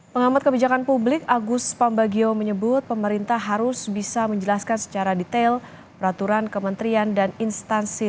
pengamat kebijakan publik agus pambagio menyebut pemerintah harus bisa menjelaskan secara detail peraturan kementerian dan instansi